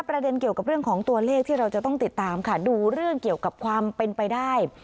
ประเด็นเกี่ยวกับเรื่องของตัวเลขที่เราจะต้องติดตามค่ะดูเรื่องเกี่ยวกับความเป็นไปได้